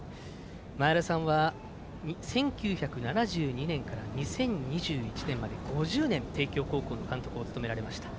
前田さんは１９７２年から２０２１年まで５０年帝京高校の監督を務められました。